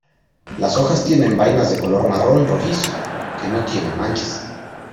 Las hojas tienen vainas de color marrón rojizo, que no tiene manchas.